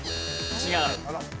違う。